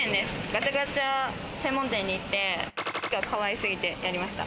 ガチャガチャ専門店に行って、が可愛すぎてやりました。